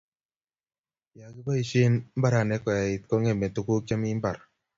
ya kibaishen barenik koait kongeme tunguk chemi mbar